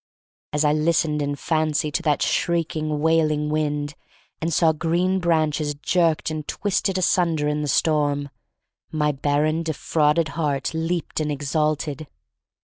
As I listened in fancy to that shrieking, wailing wind, and saw green branches jerked and twisted asunder in the storm, my bar ren, defrauded heart leaped and ex ulted.